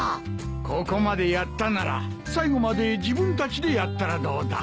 ここまでやったなら最後まで自分たちでやったらどうだ。